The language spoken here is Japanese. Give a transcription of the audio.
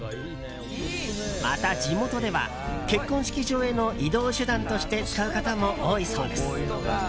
また、地元では結婚式場への移動手段として使う方も多いそうです。